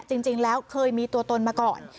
จริงแล้วเคยมีตัวตนมาก่อน